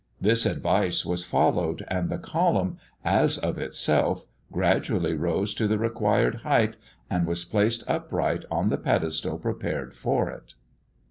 _" This advice was followed, and the column, as of itself, gradually rose to the required height, and was placed upright on the pedestal prepared for it.